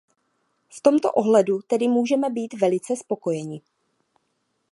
V tomto ohledu tedy můžeme být velice spokojeni.